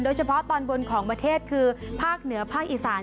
เฉพาะตอนบนของประเทศคือภาคเหนือภาคอีสาน